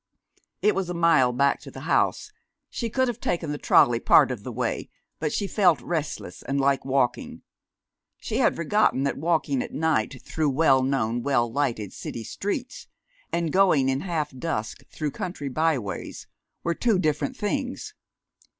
It was a mile back to the house. She could have taken the trolley part of the way, but she felt restless and like walking. She had forgotten that walking at night through well known, well lighted city streets, and going in half dusk through country byways, were two different things.